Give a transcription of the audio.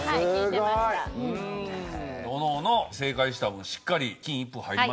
おのおの正解した分しっかり金一封入りますんで。